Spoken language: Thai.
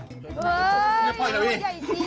เฮ้ยหัวใหญ่จริง